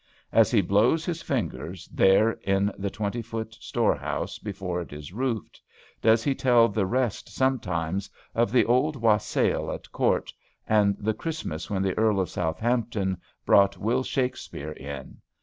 As he blows his fingers there in the twenty foot storehouse before it is roofed, does he tell the rest sometimes of the old wassail at court, and the Christmas when the Earl of Southampton brought Will. Shakespeare in?